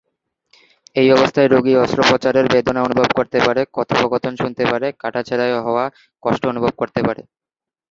এই অবস্থায় রোগী অস্ত্রোপচারের বেদনা অনুভব করতে পারে, কথোপকথন শুনতে পারে, কাটাছেঁড়ায় হওয়া কষ্ট অনুভব করতে পারে।